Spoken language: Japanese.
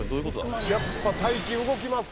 やっぱ大金動きますか？